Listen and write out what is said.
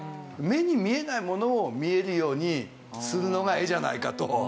目に見えないものを見えるようにするのが絵じゃないかと。